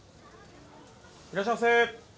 いらっしゃいませ。